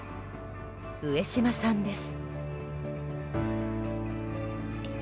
上島さんです。